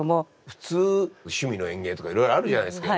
普通「趣味の園芸」とかいろいろあるじゃないですか。